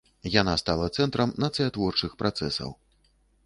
Яна стала цэнтрам нацыятворчых працэсаў.